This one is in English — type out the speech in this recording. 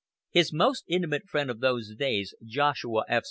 His most intimate friend of those days, Joshua F.